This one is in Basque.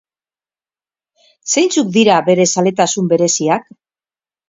Zeintzuk dira bere zaletasun bereziak?